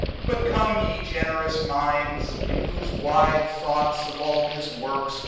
But come, ye generous minds, in whose wide thought, Of all his works.